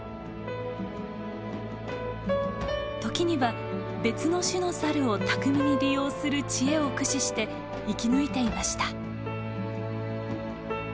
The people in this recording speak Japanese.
時には別の種のサルを巧みに利用する知恵を駆使して生きぬいていました。